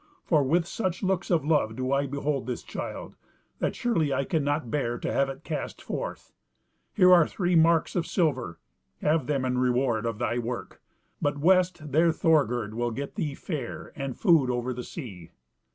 For with such looks of love do I behold this child, that surely I cannot bear to have it cast forth. Here are three marks of silver, have them in reward of thy work; but west there Thorgerd will get thee fare and food over the sea."